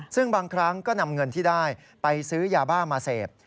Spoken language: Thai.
ซึ่งบางครั้งก็นำเงินที่ได้ไปซื้อยาบ้ามาเสพ